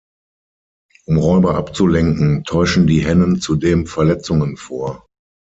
Um Räuber abzulenken, täuschen die Hennen zudem Verletzungen vor.